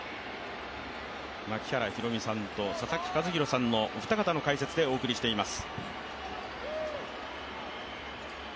槙原寛己さんと佐々木主浩さんのお二方で解説をお送りしております。